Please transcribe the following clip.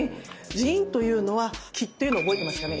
腎というのは気っていうの覚えてますかね。